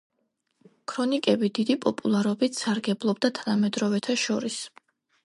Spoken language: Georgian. ქრონიკები დიდი პოპულარობით სარგებლობდა თანამედროვეთა შორის.